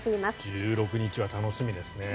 １６日は楽しみですね。